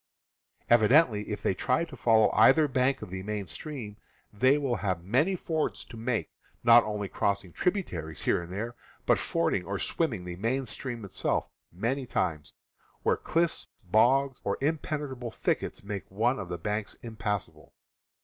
Evi dently, if they try to follow either bank of the main stream, they will have many fords to make, not only FOREST TRAVEL 185 crossing tributaries here and there, but fording or swimming the main stream itself, many times, where diffs, bogs, or impenetrable thickets make one of the banks impassable.